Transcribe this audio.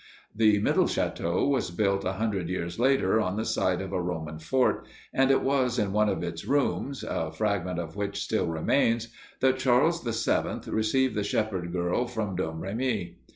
The middle château was built a hundred years later, on the site of a Roman fort, and it was in one of its rooms, a fragment of which still remains, that Charles VII received the shepherd girl from Domremy.